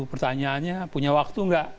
pertanyaannya punya waktu nggak